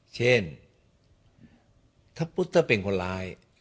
เช่นถ้าพุทธถ้าเป็นคนร้าย